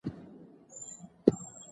زه خپلي موخي ټاکم.